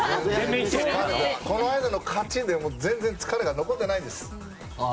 この間の勝ちで全然、疲れが残ってないです。